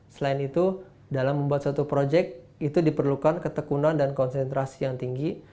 selain itu dalam membuat satu proyek itu diperlukan ketekunan dan konsentrasi yang tinggi